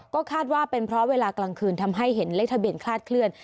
ก็คาดว่าเป็นเพราะเวลากลางคืนทำให้เห็นเลขทะเบียนคลาดเคลื่อน